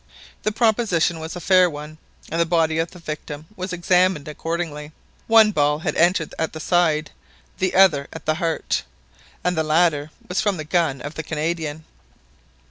The proposition was a fair one, and the body of the victim was examined accordingly. One ball had entered at the side, the other at the heart; and the latter was from the gun of the Canadian.